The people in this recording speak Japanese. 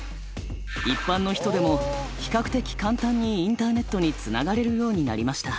一般の人でも比較的簡単にインターネットにつながれるようになりました。